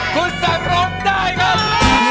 คุณสันร้องได้ครับ